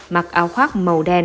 mặc áo khoác màu trắng